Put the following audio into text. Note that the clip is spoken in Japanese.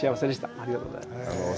ありがとうございます。